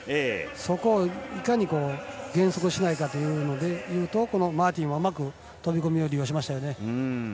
そこを、いかに減速しないかというところでこのマーティンはうまく飛び込みを利用しましたよね。